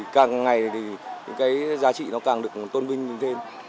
càng ngày thì giá trị nó càng được tôn vinh thêm